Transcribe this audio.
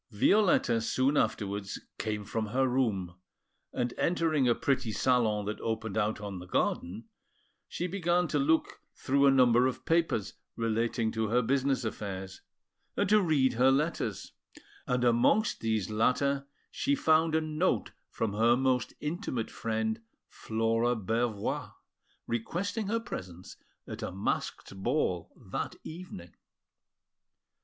Violetta soon afterwards came from her room, and, entering a pretty salon that opened out on the garden, she began to look through a number of papers relating to her business affairs, and to read her letters; and amongst these latter she found a note from her most intimate friend, Flora Bervoix, requesting her presence at a masked ball that evening.